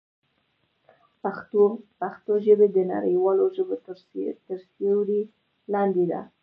پښتو ژبه د نړیوالو ژبو تر سیوري لاندې ده.